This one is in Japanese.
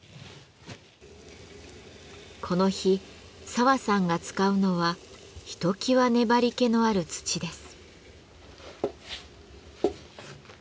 この日澤さんが使うのはひときわ粘りけのある土です。